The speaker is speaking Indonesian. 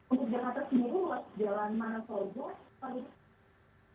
untuk jakarta sendiri ruas jalan mana saja